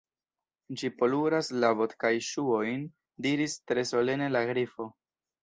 "Ĝi poluras la bot-kaj ŝuojn," diris tre solene la Grifo.